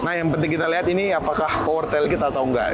nah yang penting kita lihat ini apakah powertail kita atau enggak